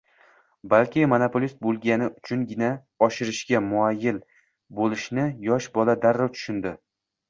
balki monopolist bo‘lgani uchungina oshirishga moyil bo‘lishini yosh bola darrov tushundi